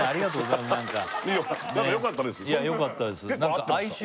いや何かよかったです